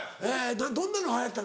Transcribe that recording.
どんなのが流行った？